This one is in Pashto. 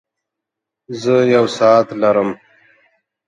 زۀ يو ساعت لرم.